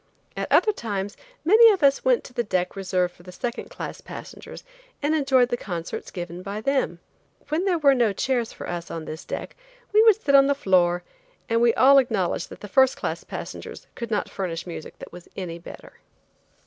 At other times many of us went to the deck reserved for the second class passengers and enjoyed the concerts given by them. When there were no chairs for us on this deck we would sit on the floor, and we all acknowledged that the first class passengers could not furnish music that was any better.